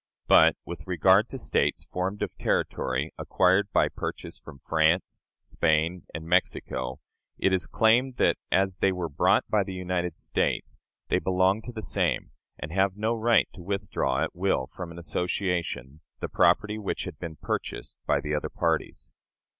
But, with regard to States formed of territory acquired by purchase from France, Spain, and Mexico, it is claimed that, as they were bought by the United States, they belong to the same, and have no right to withdraw at will from an association the property which had been purchased by the other parties.